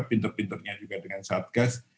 pinter pinternya juga dengan satgas